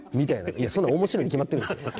いやそんなん面白いに決まってるんですよ。